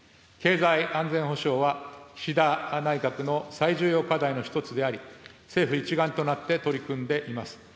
経済安全保障は岸田内閣の最重要課題の一つであり、政府一丸となって取り組んでいます。